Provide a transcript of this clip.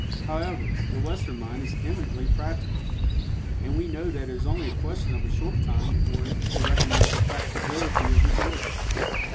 However, the Western mind is eminently practical, and we know that it is only a question of a short time before it will recognize the practicability of this work.